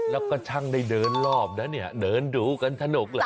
แล้วก็ช่างได้เดินรอบนะเนี่ยเดินดูกันสนุกแหละ